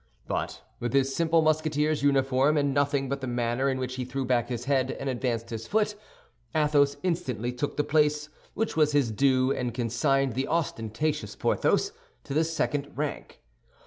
But with his simple Musketeer's uniform and nothing but the manner in which he threw back his head and advanced his foot, Athos instantly took the place which was his due and consigned the ostentatious Porthos to the second rank.